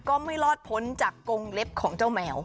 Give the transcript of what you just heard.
ก็ไม่รอดพ้นจากกงเล็บของเจ้าแมว